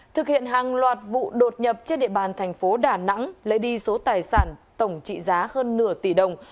thực hiện hàng loạt vụ đột nhập trên địa bàn thành phố đà nẵng lấy đi số tài sản tổng trị giá hơn nửa tỷ đồng